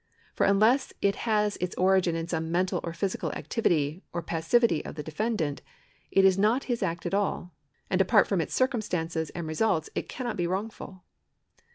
For unless it has its origin in some mental or physical activity or pas sivity of the defendant, it is not his act at all ; and apart from its circumstances and results it cannot be wrongful.